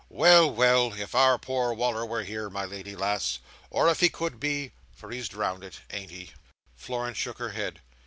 Well, well! If our poor Wal"r was here, my lady lass—or if he could be—for he's drownded, ain't he?" Florence shook her head.